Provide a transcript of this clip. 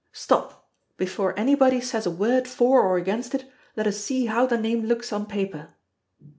_ Stop! before anybody says a word for or against it, let us see how the name looks on paper."